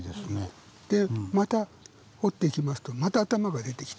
でまた掘っていきますとまた頭が出てきて。